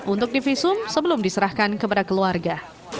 untuk divisum sebelum diserahkan kepada keluarga